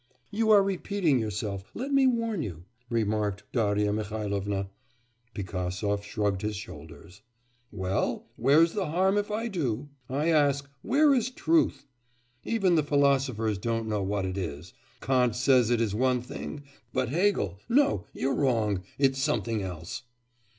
'You are repeating yourself, let me warn you,' remarked Darya Mihailovna. Pigasov shrugged his shoulders. 'Well, where's the harm if I do? I ask: where is truth? Even the philosophers don't know what it is. Kant says it is one thing; but Hegel no, you're wrong, it's something else.